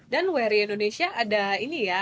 dan warri indonesia ada ini ya